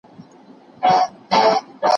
د دنیا مینه په زړه کي نه ځایېږي.